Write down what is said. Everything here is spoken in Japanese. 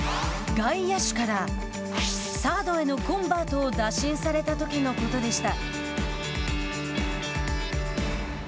外野手からサードへのコンバートを打診されたときのことでした。